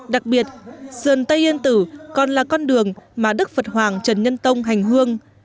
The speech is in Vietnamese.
đặc biệt sườn tây yên tử còn là con đường mà đức phật hoàng trần nhân tông hành hương